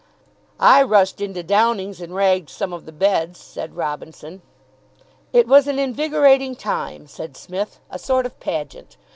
"I rushed into Downing's, and ragged some of the beds," said Robinson. "It was an invigorating time," said Psmith. "A sort of pageant.